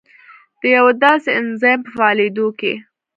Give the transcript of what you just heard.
د یوه داسې انزایم په فعالېدو کې